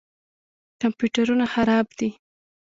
کمپیوټرونه خراب دي.